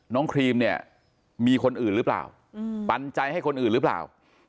ครีมเนี่ยมีคนอื่นหรือเปล่าปันใจให้คนอื่นหรือเปล่า